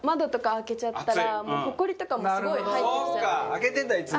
開けてるんだいつも。